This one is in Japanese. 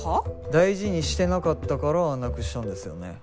大事にしてなかったからなくしたんですよね。